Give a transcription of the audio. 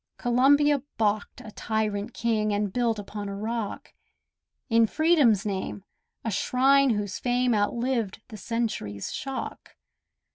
Columbia baulked a tyrant king, And built upon a rock, In Freedom's name, a shrine whose fame Outlived the century's shock.